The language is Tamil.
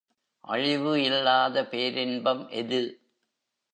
அழிவு இல்லாத பேரின்பம் எது?